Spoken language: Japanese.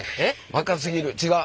若すぎるちがう。